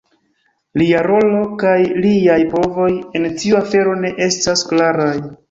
Lia rolo kaj liaj povoj en tiu afero ne estas klaraj.